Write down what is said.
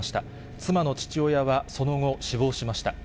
妻の父親はその後、死亡しました。